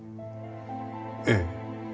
ええ。